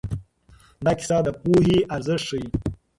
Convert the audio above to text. دا کیسه د پوهې ارزښت ښيي.